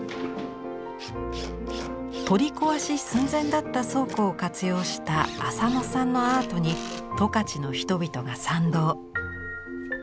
取り壊し寸前だった倉庫を活用した浅野さんのアートに十勝の人々が賛同。